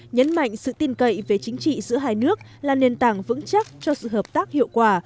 nhấn mạnh sự tin cậy về chính trị giữa hai nước là nền tảng vững chắc cho sự hợp tác hiệu quả